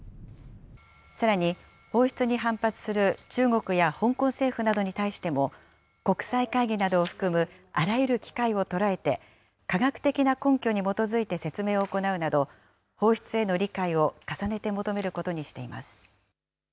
さらに放出に反発する中国や香港政府などに対しても、国際会議などを含むあらゆる機会を捉えて、科学的な根拠に基づいて説明を行うなど、放出への理解を重ねて求めることにしています。